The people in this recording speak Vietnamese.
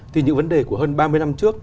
thì những vấn đề của hơn ba mươi năm trước